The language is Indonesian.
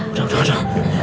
udah udah udah